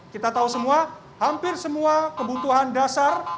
kita tahu semua hampir semua kebutuhan dasar